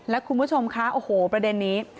และคุณผู้ชมคะโอ้โหประเด็นนี้